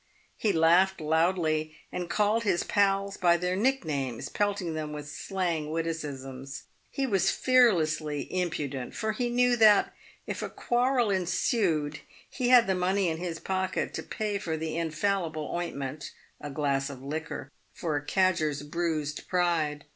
He laughed loudly, and called his pals by their nick names, pelting them with slang witticisms. He was fearlessly impu dent, for he knew that, if a quarrel ensued, he had the money in his pocket to pay for the infallible ointment — a glass of liquor — for a cadger's bruised pride.